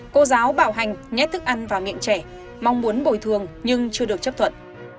cô giáo bảo hành nhét thức ăn vào miệng trẻ mong muốn bồi thường nhưng chưa được chấp thuận